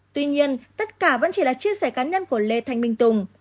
tuy nhiên tất cả vẫn chỉ là chia sẻ cá nhân của lê thanh minh tùng